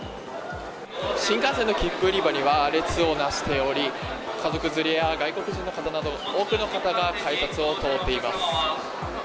新幹線の切符売り場には、列をなしており、家族連れや外国人の方など、多くの方が改札を通っています。